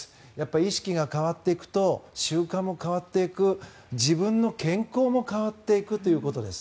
意識が変わっていくと習慣も変わっていく自分の健康も変わっていくということです。